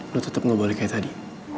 lu tetep gak boleh kayak tadi